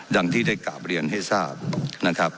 ดังที่ได้กราบเรียนให้ทราบนะครับ